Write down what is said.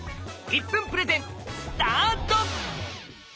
１分プレゼンスタート！